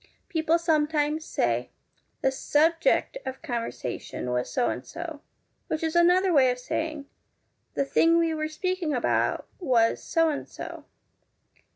People sometimes say ' the subject of conversation was so and so,' which is another way of saying * the thing we were speaking about was so and so.'